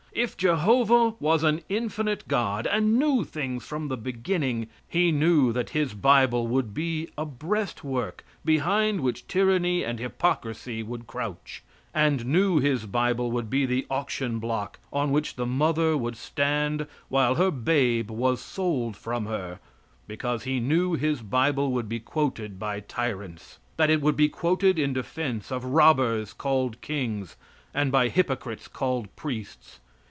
If Jehovah was an infinite God and knew things from the beginning, He knew that His bible would be a breast work behind which tyranny and hypocrisy would crouch, and knew His bible would be the auction block on which the mother would stand while her babe was sold from her, because He knew His bible would be quoted by tyrants; that it would be quoted in defense of robbers called kings, and by hypocrites called priests.